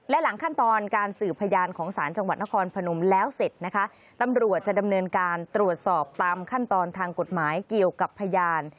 แล้วเสร็จนะคะตำรวจดำเนินการตรวจสอบตามขั้นตอนทางกฎหมายเกี่ยวกับพยาน